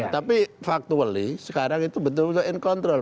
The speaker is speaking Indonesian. tapi faktually sekarang itu betul betul in control